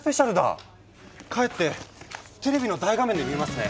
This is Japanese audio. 帰ってテレビの大画面で見ますね！